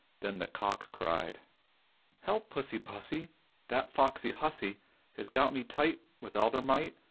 Then the cock cried :" Help I pussy pussy ! That foxy hussy Has got me tight With all her ?night.